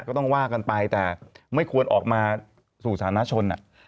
ก็ต้องว่ากันไปแต่ไม่ควรออกมาสู่สาธารณชน